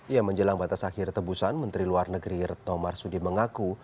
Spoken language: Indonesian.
ya menjelang batas akhir tebusan menteri luar negeri retno marsudi mengaku